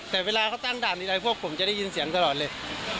แต่เวลาเขาตั้งด่านนี้อะไรพวกผมจะได้ยินเสียงตลอดเลย